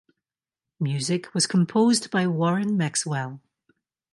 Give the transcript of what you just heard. Music was composed by Warren Maxwell.